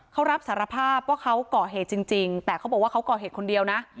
เขารับสารภาพว่าเขาก่อเหตุจริงแต่เขาบอกว่าเขาก่อเหตุคนเดียวนะ